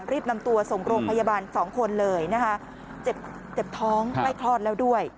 รีบนำตัวส่งโครงพยาบาล๒คนเลยเจ็บท้องใกล้คลอดแล้วด้วย